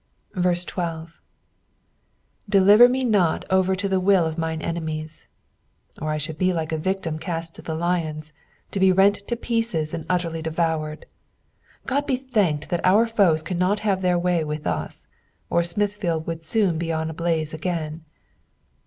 12. "Deliver me not oner unto the wUi of mine enemiet;" or I should be like a victim cast to the lions, to be rent to pieces, and utterly devoured. God be thanked that our foes cannot have their way with us, or fiuiithfield would soon be on a blaze again.